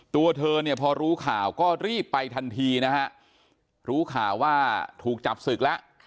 ตัวเธอเนี่ยพอรู้ข่าวก็รีบไปทันทีนะฮะรู้ข่าวว่าถูกจับศึกแล้ว